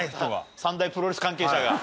３大プロレス関係者が。